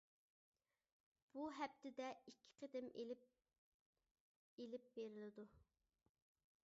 بۇ ھەپتىدە ئىككى قېتىم ئېلىپ ئېلىپ بېرىلىدۇ.